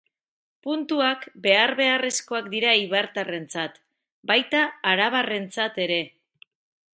Puntuak behar beharrezkoak dira eibartarrentzat, baita arabarrentzat ere.